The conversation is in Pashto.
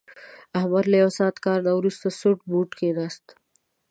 احمد له یو ساعت کار نه ورسته سوټ بوټ کېناست.